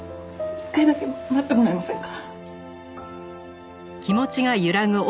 一回だけ待ってもらえませんか？